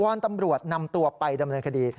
อนตำรวจนำตัวไปดำเนินคดี